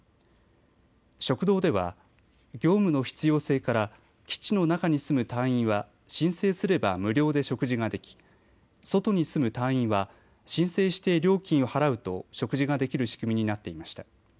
食堂では業務の必要性から基地の中に住む隊員は申請すれば無料で食事ができ外に住む隊員は申請して料金を払うと食事ができる仕組みになっていました。